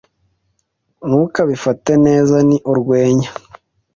Ntukabifate neza. Ni urwenya.